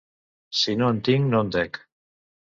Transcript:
Si no en tinc, no en dec.